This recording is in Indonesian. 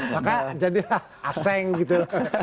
maka jadilah aseng gitu